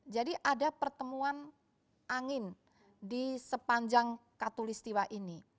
jadi ada pertemuan angin di sepanjang katulistiwa ini